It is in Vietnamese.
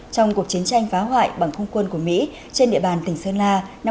trong cuộc chiến tranh phá hoại bằng không quân của mỹ trên địa bàn tỉnh sơn la năm một nghìn chín trăm sáu mươi năm